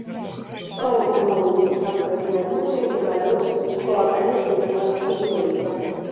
სწორედ ამ აუზის სამხრეთ ნაწილში მდებარეობს მიჩოაკანის დედაქალაქი მორელია.